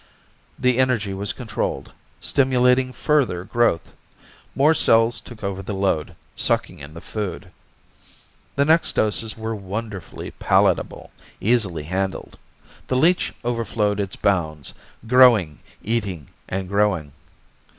The energy was controlled, stimulating further growth. More cells took over the load, sucking in the food. The next doses were wonderfully palatable, easily handled. The leech overflowed its bounds, growing, eating, and growing.